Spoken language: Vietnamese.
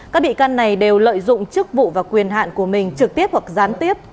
các bị can này đều lợi dụng chức vụ và quyền hạn của mình trực tiếp hoặc gián tiếp